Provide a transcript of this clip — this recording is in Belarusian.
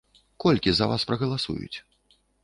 Колькі за вас прагаласуюць?